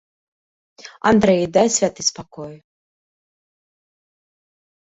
Андрэй, дай святы спакой.